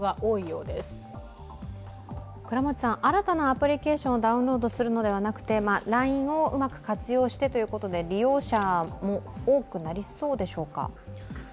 新たなアプリケーションをダウンロードするのではなくてＬＩＮＥをうまく活用してということで、利用者も多くなりそうでしょうか？